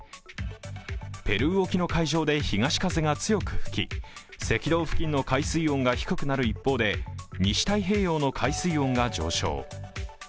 ペルー沖の海上で東風が強く吹き赤道付近の海水温が低くなる一方で西太平洋の海水温が上昇。